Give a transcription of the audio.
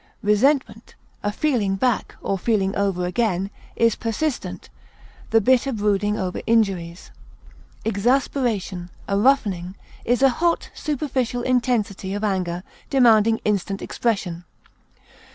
Resentment (a feeling back or feeling over again) is persistent, the bitter brooding over injuries. Exasperation, a roughening, is a hot, superficial intensity of anger, demanding instant expression.